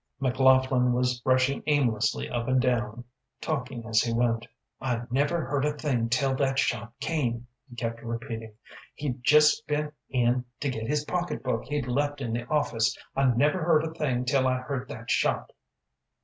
McLaughlin was rushing aimlessly up and down, talking as he went. "I never heard a thing till that shot came," he kept repeating. "He'd jest been in to get his pocketbook he'd left in the office. I never heard a thing till I heard that shot."